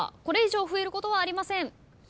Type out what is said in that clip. これ以上増えることはありません。